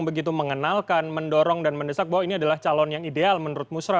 begitu mengenalkan mendorong dan mendesak bahwa ini adalah calon yang ideal menurut musra